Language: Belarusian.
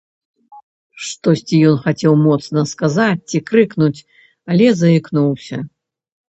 Штосьці ён хацеў моцна сказаць ці крыкнуць, але заікнуўся.